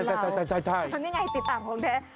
นี่ไงติดตามของแท้